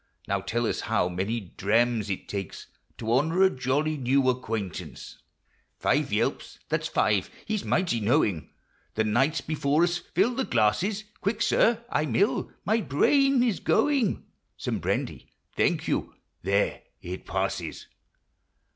Now tell us how many drams it takes To honor a jolly new acquaintance. 202 POEMS OF SENTIMENT. Five yelps, — that 's five ; he 's mighty knowing! The night 's before ns, fill the glasses !— Quick, sir ! I 'm ill, — my brain is going ! Some brandy, — thank you, — there !— it passes